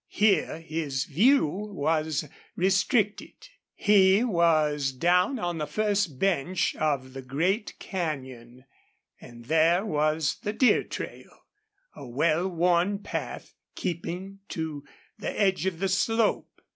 Here his view was restricted. He was down on the first bench of the great canyon. And there was the deer trail, a well worn path keeping to the edge of the slope.